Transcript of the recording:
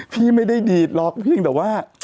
พี่ไม่ได้ดีดหรอกเพียงแต่ว่า